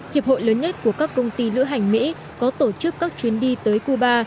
hiệp hội lớn nhất của các công ty lữ hành mỹ có tổ chức các chuyến đi tới cuba